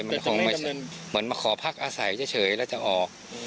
มันคงเหมือนมาขอพักอาศัยเฉยแล้วจะออก